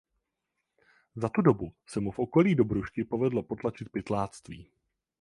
Za tu dobu se mu v okolí Dobrušky povedlo potlačit pytláctví.